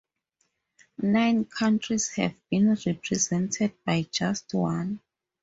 Nine countries have been represented by just one.